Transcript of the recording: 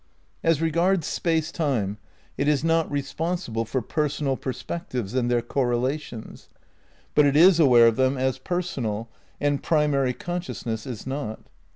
As regards Space Time, it is not responsible for per sonal perspectives and their correlations; but it is aware of them as personal, and primary consciousness is not.